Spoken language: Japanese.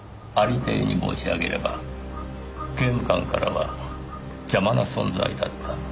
有り体に申し上げれば刑務官からは邪魔な存在だった。